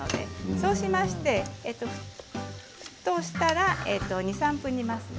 そうしたら沸騰したら２、３分、煮ますね。